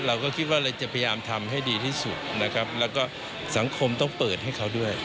เราก็คิดว่าเราจะพยายามทำให้ดีที่สุดนะครับแล้วก็สังคมต้องเปิดให้เขาด้วย